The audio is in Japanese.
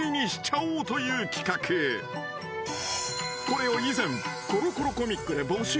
［これを以前］